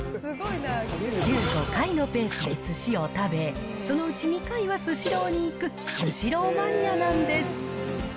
週５回のペースですしを食べ、そのうち２回はスシローに行く、スシローマニアなんです。